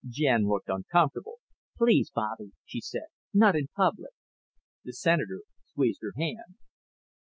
Jen looked uncomfortable. "Please, Bobby," she said. "Not in public." The Senator squeezed her hand.